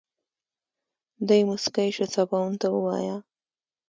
دی موسکی شو سباوون ته ووايه.